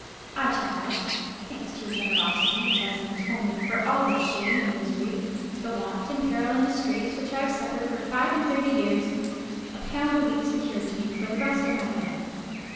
I shall have—thanks to your generosity, and as an atonement for all the shame and misery, the want, and peril, and disgrace, which I have suffered for five and thirty years—a pound a week secured to me for the rest of my life.